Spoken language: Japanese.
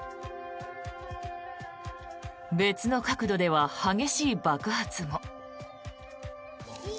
別の角度では激しい爆発も。